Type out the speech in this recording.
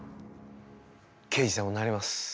刑事さんもなれます。